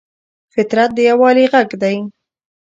فطرت د یووالي غږ دی.